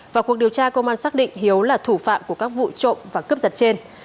vào cuộc điều tra công an xác định hiếu là thủ phạm của các vụ trộm và cướp giật trên